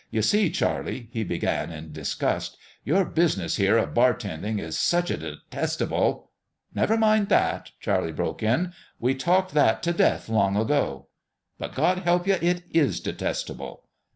"You see, Charlie," he began, in disgust, " your business here of bartending is such a detestable "" Never mind that," Charlie broke in ;" we talked that t' death long ago." " But God help you, it is detestable